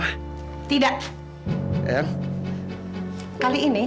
kali ini kita tidak bisa berbicara sama adrian